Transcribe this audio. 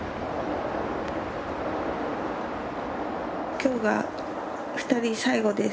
今日が２人最後です。